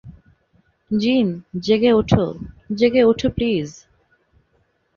জিন, জেগে ওঠো, জেগে ওঠো, প্লিজ।